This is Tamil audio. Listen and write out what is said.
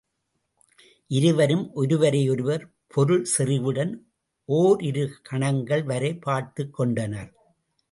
இருவரும் ஒருவரையொருவர் பொருள்செறிவுடன் ஓரிரு கணங்கள் வரை பார்த்துக் கொண்டனர்.